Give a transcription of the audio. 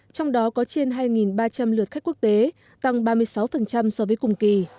trong đó có trên hai ba trăm linh lượt khách quốc tế tăng ba mươi sáu so với cùng kỳ